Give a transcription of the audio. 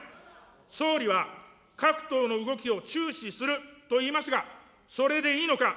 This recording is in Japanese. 総理は各党の動きを注視すると言いますが、それでいいのか。